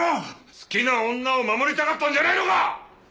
好きな女を守りたかったんじゃないのか！？